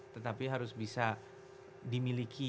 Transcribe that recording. tetapi harus bisa dimiliki